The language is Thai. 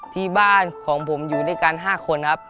ที่บ้านของผมอยู่ด้วยกัน๕คนครับ